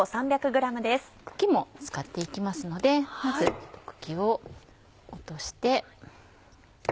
茎も使って行きますのでまず茎を落として。